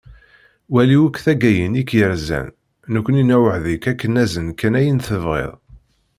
Wali akk taggayin i k-yerzan, nekkni newɛed-ik ak-d-nazen kan ayen tebɣiḍ.